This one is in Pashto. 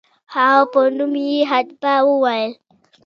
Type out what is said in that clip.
هغه په نوم یې خطبه وویل.